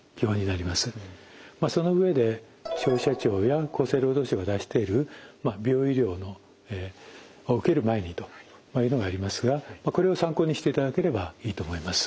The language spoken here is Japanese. その上で消費者庁や厚生労働省が出してる「美容医療を受ける前に」というのがありますがこれを参考にしていただければいいと思います。